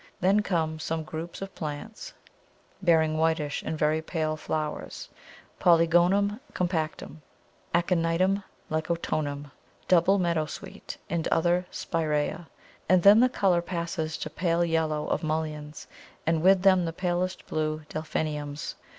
Then come some groups of plants bearing whitish and very pale flowers, Polygonum compactum, Aconitum lycoctonum, Double Meadowsweet, and other Spiræas, and then the colour passes to pale yellow of Mulleins, and with them the palest blue Delphiniums.